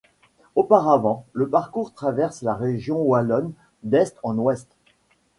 Auparavant, le parcours traverse la Région wallonne d'est en ouest.